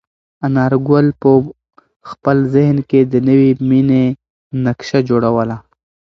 انارګل په خپل ذهن کې د نوې مېنې نقشه جوړوله.